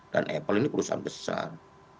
dan apple ini perusahaan besar